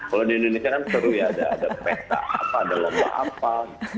kalau di indonesia kan seru ya ada peta apa ada logo apa